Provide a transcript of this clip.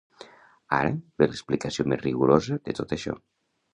Ara, ve l'explicació més rigorosa de tot això.